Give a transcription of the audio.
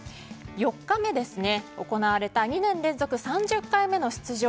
４日目に行われた２年連続３０回目の出場